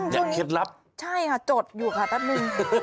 เคล็ดลับใช่ค่ะจดอยู่ค่ะแป๊บนึง